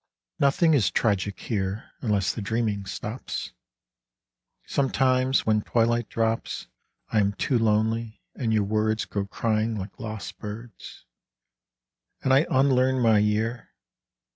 Nothing is tragic here Unless the dreaming stops. Sometimes when twilight drops I am too lonely and your words Go crying like lost birds, And I unlearn my year.